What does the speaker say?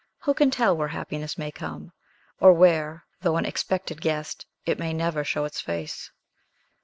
Who can tell where happiness may come; or where, though an expected guest, it may never show its face?